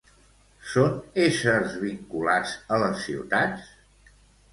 Són éssers vinculats a les ciutats?